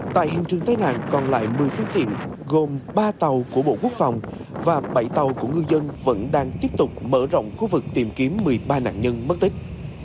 tại hiện trường tái nạn còn lại một mươi phương tiện gồm ba tàu của bộ quốc phòng và bảy tàu của ngư dân vẫn đang tiếp tục mở rộng khu vực tìm kiếm một mươi ba nạn nhân mất tích